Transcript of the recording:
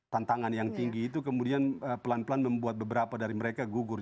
tantangan yang tinggi itu kemudian pelan pelan membuat beberapa dari mereka gugur